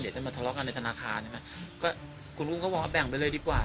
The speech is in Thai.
จะมาทะเลาะกันในธนาคารใช่ไหมก็คุณอุ้มก็บอกว่าแบ่งไปเลยดีกว่า